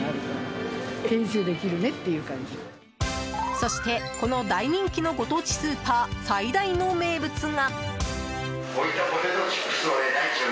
そして、この大人気のご当地スーパー最大の名物が。